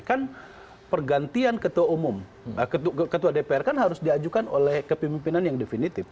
kan pergantian ketua umum ketua dpr kan harus diajukan oleh kepemimpinan yang definitif